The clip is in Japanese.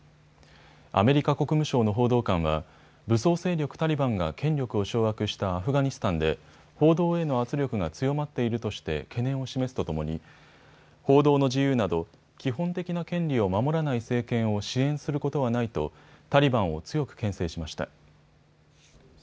アメリカ国務省の報道官は武装勢力タリバンが権力を掌握したアフガニスタンで報道への圧力が強まっているとして懸念を示すとともに報道の自由など基本的な権利を守らない政権を支援することはないとタリバンを強くけん制しました。